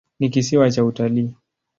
Ni kisiwa cha utalii.